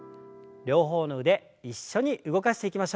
両方の腕一緒に動かしていきましょう。